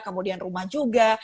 kemudian rumah juga